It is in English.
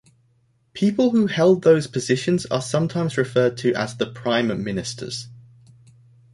People who held those positions are sometimes referred to as the prime ministers.